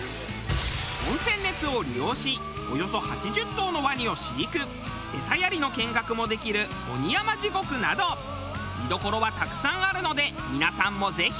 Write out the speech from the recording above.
温泉熱を利用しおよそ８０頭のワニを飼育餌やりの見学もできる鬼山地獄など見どころはたくさんあるので皆さんもぜひ。